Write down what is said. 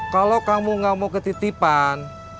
kalau kamu gak mau ketitipan